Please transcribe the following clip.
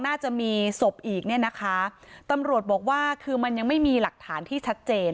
น่าจะมีศพอีกเนี่ยนะคะตำรวจบอกว่าคือมันยังไม่มีหลักฐานที่ชัดเจน